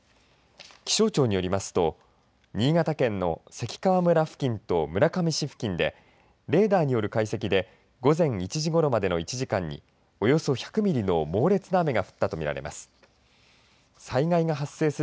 気象庁によりますと新潟県の関川村付近と村上市付近でレーダーによる解析で午前１時ごろまでの１時間におよそ１００ミリの猛烈な雨が降ったと見られます。